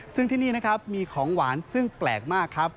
ซึ่งที่นี่นะครับมีของหวานซึ่งแปลกมากครับ